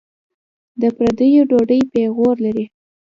د پردیو ډوډۍ پېغور لري.